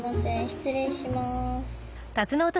失礼します。